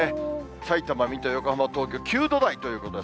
さいたま、水戸、横浜、東京、９度台ということです。